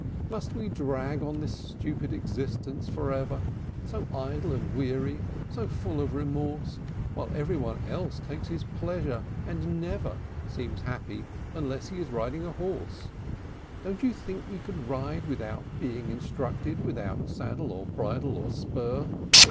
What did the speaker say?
Must we drag on this stupid existence forever, So idle and weary, so full of remorse, While every one else takes his pleasure, and never Seems happy unless he is riding a horse? II. "Don't you think we could ride without being instructed, Without any saddle or bridle or spur?